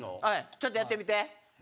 ちょっとやってみて。